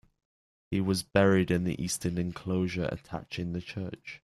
He was buried in the eastern enclosure attaching the church.